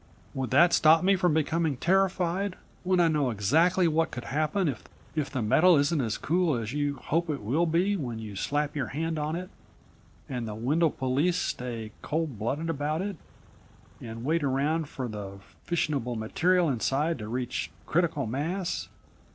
Would that stop me from becoming terrified, when I know exactly what could happen if the metal isn't as cool as you hope it will be when you slap your hand on it, and the Wendel police stay cold blooded about it, and wait around for the fissionable material inside to reach critical mass."